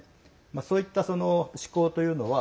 そういった志向というのは